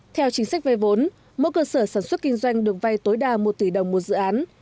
theo chính sách vay vốn mỗi cơ sở sản xuất kinh doanh được vay tối đa một tỷ đồng một dự án